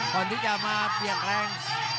ก่อนที่จะมาเปียกแรง